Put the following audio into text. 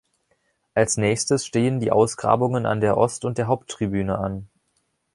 Als nächstes stehen die Ausgrabungen an der Ost- und der Haupttribüne an.